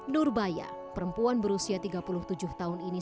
nurbaya perempuan berusia tiga puluh tujuh tahun ini